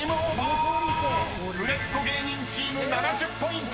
［売れっ子芸人チーム７０ポイント！］